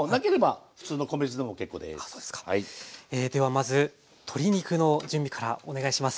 ではまず鶏肉の準備からお願いします。